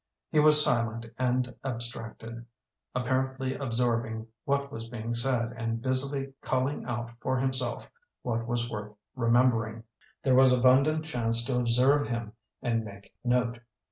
He was silent and abstract ed, apparently absorbing what was being said and busily culling out for himself what was worth remembering. There was abundant chance to observe him and make note.